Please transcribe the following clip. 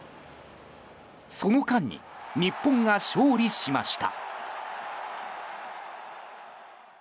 その間に日本が勝利しました。